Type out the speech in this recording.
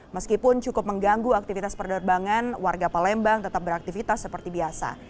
meskipun cukup mengganggu aktivitas penerbangan warga palembang tetap beraktivitas seperti biasa